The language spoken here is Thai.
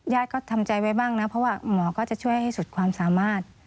ก็ทำใจไว้บ้างนะเพราะว่าหมอก็จะช่วยให้สุดความสามารถ